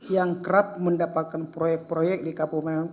yang kerap mendapatkan proyek proyek di kabupaten ngada sejak tahun dua ribu sebelas